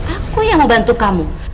aku yang mau bantu kamu